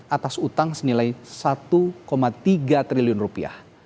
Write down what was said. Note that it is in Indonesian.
atas utang senilai satu tiga triliun rupiah